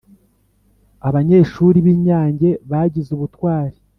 Abanyeshuri binyange bagize ubutwari